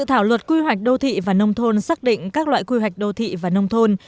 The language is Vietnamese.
dự thảo luật quy hoạch đô thị và nông thôn xác định các loại quy hoạch đô thị và nông thôn